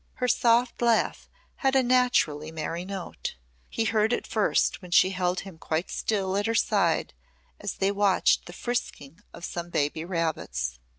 Her soft laugh had a naturally merry note. He heard it first when she held him quite still at her side as they watched the frisking of some baby rabbits.